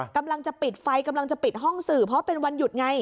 กำลังจะปิดไฟกำลังจะปิดห้องสื่อเพราะเป็นวันหยุดไง